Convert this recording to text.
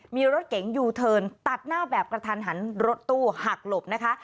มีรถเก๋งยูเทิร์นตัดหน้าแบบกระทันหันรถตู้หักหลบนะคะ